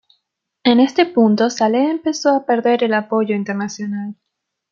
En este punto, Saleh empezó a perder el apoyo internacional.